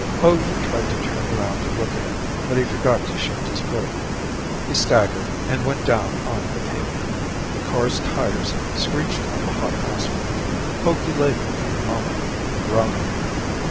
Hogey tried to turn around to look at it, but he forgot to shift his footing. He staggered and went down on the pavement. The car's tires screeched on the hot asphalt. Hogey lay there for a moment, groaning.